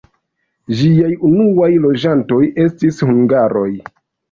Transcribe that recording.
Ĝiaj unuaj loĝantoj estis hungaroj.